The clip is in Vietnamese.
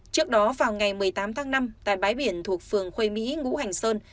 trước đó vào ngày một mươi tám tháng năm tại bãi biển thuộc phường khuê mỹ ngũ hành sơn